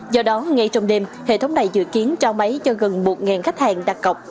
do đó ngay trong đêm hệ thống này dự kiến trao máy cho gần một khách hàng đặt cọc